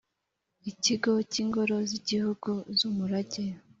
Ikigo cy Ingoro z Igihugu z Umurage